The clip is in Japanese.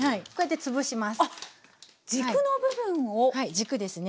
軸ですね。